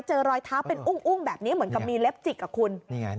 รอยเท้าเป็นอุ้งแบบนี้เหมือนกับมีเล็บจิกอ่ะคุณนี่ไง